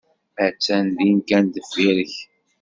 Attan din kan deffir-k.